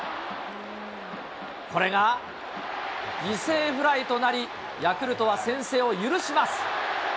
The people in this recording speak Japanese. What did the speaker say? これが犠牲フライとなり、ヤクルトは先制を許します。